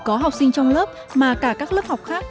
có học sinh trong lớp mà cả các lớp học khác